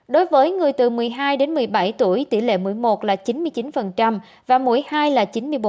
đối với người từ một mươi hai đến một mươi bảy tuổi tỷ lệ mỗi một là chín mươi chín và mũi hai là chín mươi bốn